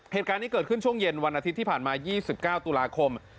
เหตุการณ์นี้เกิดขึ้นช่วงเย็นวันอาทิตย์ที่ผ่านมา๒๙ตุลาคม